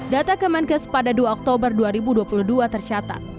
data kemenkes pada dua oktober dua ribu dua puluh dua tercatat